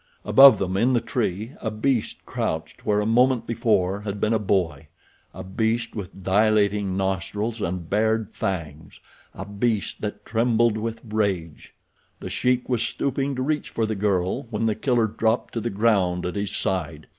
Above them, in the tree, a beast crouched where a moment before had been a boy—a beast with dilating nostrils and bared fangs—a beast that trembled with rage. The Sheik was stooping to reach for the girl when The Killer dropped to the ground at his side.